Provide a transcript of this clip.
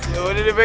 yaudah deh be